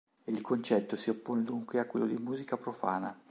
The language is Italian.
Il concetto si oppone dunque a quello di musica profana.